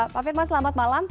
pak firman selamat malam